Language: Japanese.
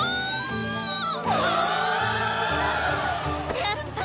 やったー！